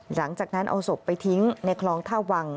หลังจากนั้นเอาศพไปทิ้งในคลองท่าวัง